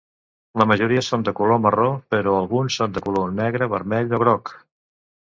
La majoria són de color marró, però alguns són de color negre, vermell o groc.